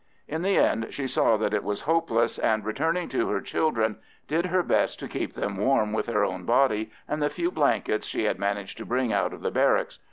In the end she saw that it was hopeless, and returning to her children, did her best to keep them warm with her own body and the few blankets she had managed to bring out of the barracks.